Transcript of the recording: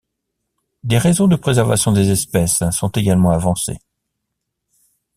Des raisons de préservation des espèces sont également avancées.